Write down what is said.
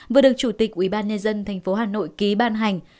vừa được chủ tịch ubnd tp hà nội ký ban hành